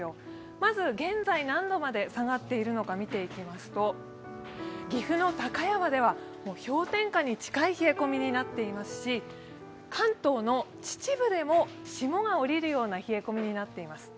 まず、現在何度まで下がっているのか見ていきますと岐阜の高山では氷点下に近い冷え込みになっていますし関東の秩父でも霜が降りるような冷え込みになっています。